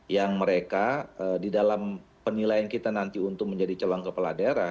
yang mereka di dalam penilaian kita nanti untuk menjadi calon kepala daerah